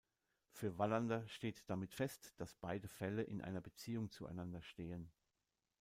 Für Wallander steht damit fest, dass beide Fälle in einer Beziehung zueinander stehen.